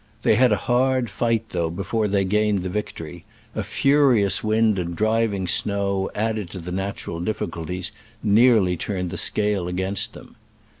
116 They had a hard fight, though, before they gained the victory t a furious wind and driving snow, added to the natu ral difficulties, nearly turned the scale against them.